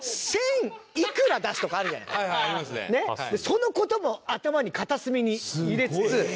その事も頭に片隅に入れつつ。